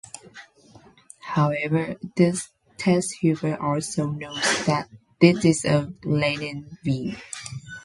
However, this teshuvah also notes that this is a lenient view.